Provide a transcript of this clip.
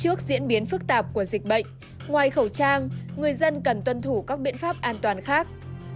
trước diễn biến phức tạp của dịch bệnh ngoài khẩu trang người dân cần tuân thủ các biện pháp an toàn khác